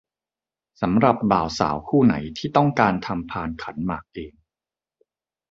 สำหรับบ่าวสาวคู่ไหนที่ต้องการทำพานขันหมากเอง